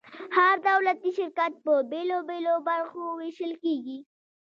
هر دولتي شرکت په بیلو بیلو برخو ویشل کیږي.